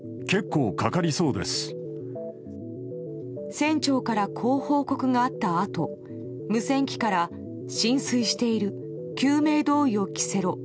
船長からこう報告があったあと無線機から浸水している救命胴衣を着せろ。